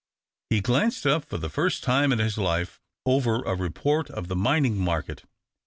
He glanced up for the first time in his life, over a report of the mining market.